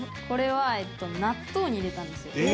これはえっと納豆に入れたんですよ。